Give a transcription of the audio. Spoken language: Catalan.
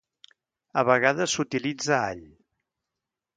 A vegades s'utilitza all.